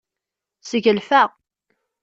Sgelfeɣ.